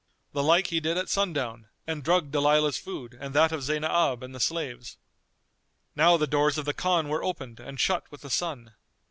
The like he did at sundown and drugged Dalilah's food and that of Zaynab and the slaves. Now the doors of the Khan were opened and shut with the sun.